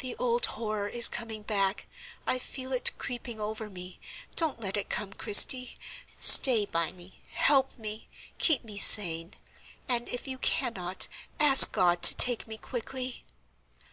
"The old horror is coming back; I feel it creeping over me. Don't let it come, Christie! Stay by me! Help me! Keep me sane! And if you cannot, ask God to take me quickly!"